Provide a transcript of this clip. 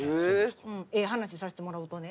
ええ話させてもらうとね